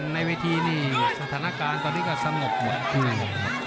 ในวิธีนี่สถานการณ์ตอนนี้ก็สมบุหร์หมด